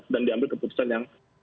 dan diambil keputusan yang terbaik